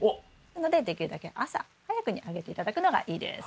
なのでできるだけ朝早くにあげて頂くのがいいです。